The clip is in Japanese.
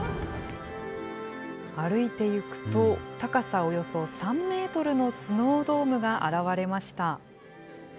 歩いていくと、高さおよそ３メートルのスノードームが現れました。